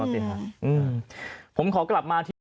โดยสภาพบ้านค่ะ